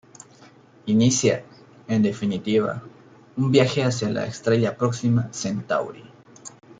Inicia, en definitiva, un viaje hacia la estrella Próxima Centauri.